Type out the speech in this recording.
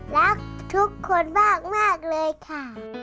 รักทุกคนมากเลยค่ะ